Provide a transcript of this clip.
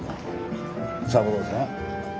三郎さん？